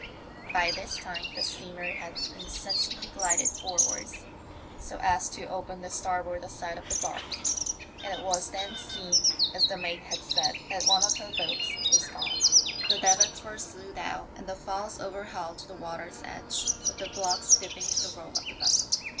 By this time the steamer had insensibly glided for wards so as to open the starboard side of the barque, and it was then seen, as the mate had said, that one of her boats was gone ; the davits were slued out and the falls overhauled to the water's edge with the blocks dipping to the roll of the vessel.